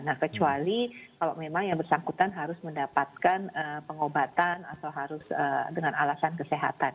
nah kecuali kalau memang yang bersangkutan harus mendapatkan pengobatan atau harus dengan alasan kesehatan